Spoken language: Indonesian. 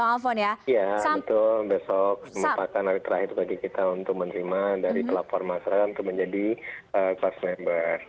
ya betul besok merupakan hari terakhir bagi kita untuk menerima dari pelapor masyarakat untuk menjadi class member